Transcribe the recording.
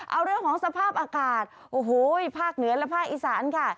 เอาเรื่องของสภาพอากาศโอ้โหภาคเหนือและภาคอีสานค่ะ